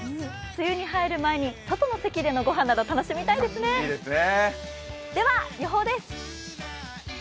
梅雨に入る前に外の席でのご飯など楽しみたいですね。